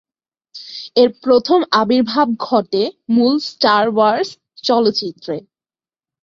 এর প্রথম আবির্ভাব ঘটে মূল স্টার ওয়ার্স চলচ্চিত্রে।